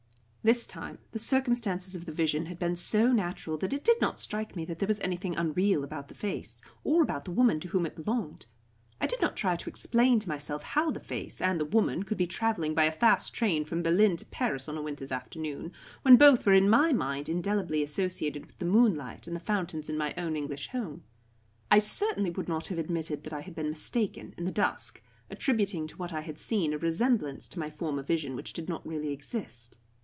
This time the circumstances of the vision had been so natural that it did not strike me that there was anything unreal about the face, or about the woman to whom it belonged. I did not try to explain to myself how the face, and the woman, could be travelling by a fast train from Berlin to Paris on a winter's afternoon, when both were in my mind indelibly associated with the moonlight and the fountains in my own English home. I certainly would not have admitted that I had been mistaken in the dusk, attributing to what I had seen a resemblance to my former vision which did not really exist.